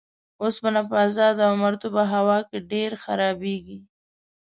اوسپنه په ازاده او مرطوبه هوا کې ډیر خرابیږي.